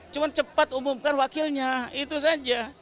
cuma cepat umumkan wakilnya itu saja